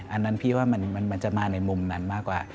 อันนั้นพี่ว่ามันจะมาในมุมนั้นมากกว่า